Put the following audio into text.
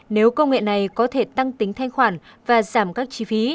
nếu công nghệ này có thể tăng tính thanh khoản và giảm các chi phí